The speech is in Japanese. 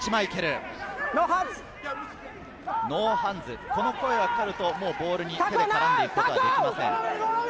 ノーハンズ、この声がかかるとボールに手は絡んでいくことはできません。